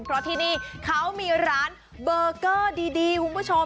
เพราะที่นี่เขามีร้านเบอร์เกอร์ดีคุณผู้ชม